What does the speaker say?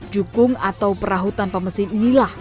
jukung atau perahutan pemesin inilah